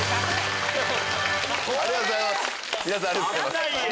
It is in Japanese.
ありがとうございます。